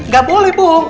gak boleh bohong